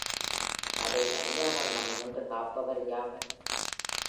அதை அழியாவண்ணம் நின்று காப்பார் யாவர்?